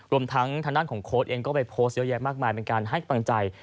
รวมทั้งทางด้านของโค้ดเองก็ไปโพสต์เยอะแยะมากมายเป็นการให้กำลังใจ